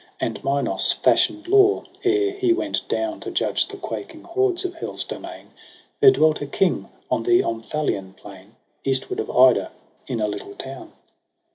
And Minos fashion'd law, ere he went down To judge the quaking hordes of Hell's domain, There dwelt a King on the Omphalian plain Eastward of Ida, in a little town.